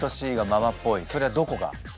それはどこが？